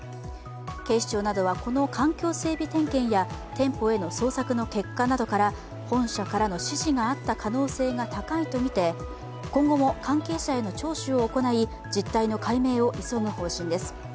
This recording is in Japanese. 警視庁などはこの環境整備点検や店舗への捜索の結果などから本社からの指示があった可能性が高いとみて今後も関係者への聴取を行い実態の解明を急ぐ方針です。